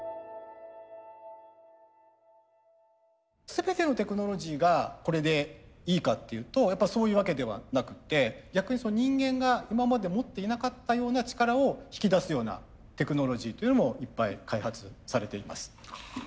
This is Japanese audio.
全てのテクノロジーがこれでいいかっていうとそういうわけではなくって逆に人間が今まで持っていなかったような力を引き出すようなテクノロジーというのもいっぱい開発されています。